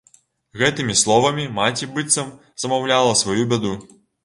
Гэтымі словамі маці быццам замаўляла сваю бяду.